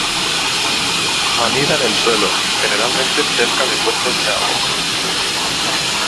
Anida en el suelo, generalmente cerca de cuerpos de agua.